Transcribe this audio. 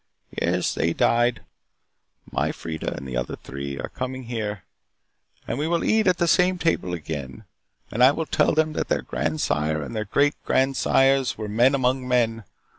"Yes. They died. My Freida and the other three are coming here. And we will eat at the same table again and I will tell them that their grand sire and their great grand sires were men among men.